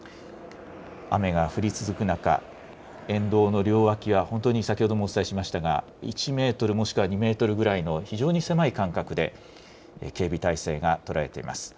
雨が降り続く中、沿道の両脇は本当に先ほどもお伝えしましたが、１メートルもしくは２メートルぐらいの非常に狭い間隔で、警備態勢が取られています。